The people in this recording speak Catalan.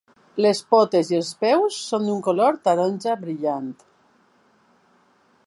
Les potes i els peus són d'un color taronja brillant.